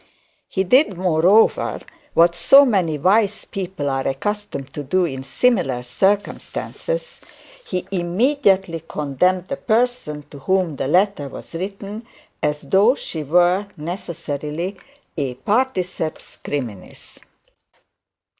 He did, moreover, what so many wise people are accustomed to do in similar circumstances; he immediately condemned the person to whom the letter was written, as though she were necessarily a particeps criminis.